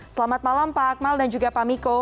selamat malam pak akmal dan juga pak miko